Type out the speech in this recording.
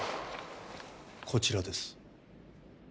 こちらです。